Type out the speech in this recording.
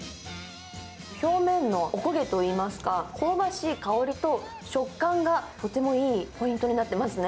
表面のお焦げといいますか、香ばしい香りと、食感が、とてもいいポイントになってますね。